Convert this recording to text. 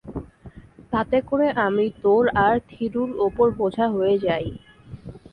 তাতে করে আমি তোর আর থিরুর ওপর বোঝা হয়ে যাই।